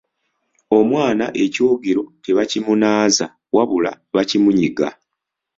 Omwana ekyogero tebakimunaaza wabula bakimunyiga.